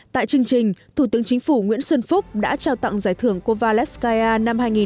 tại chương trình thủ tướng chính phủ nguyễn xuân phúc đã trao tặng giải thưởng cova lebskaya năm hai nghìn một mươi sáu